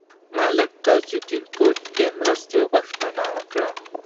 ملک تاج الدین کرد د مرستې غوښتنه وکړه.